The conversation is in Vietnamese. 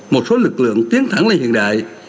một số lực lượng tiến thẳng lên hiện đại